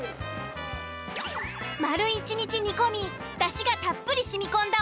丸一日煮込みだしがたっぷり染み込んだ